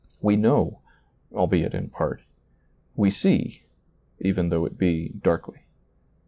" We know," albeit in part " We see," even though it be " darkly."